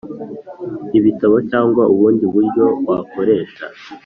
ibitabo cyangwa ubundi buryo wakoresha.